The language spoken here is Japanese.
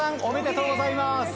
おめでとうございます。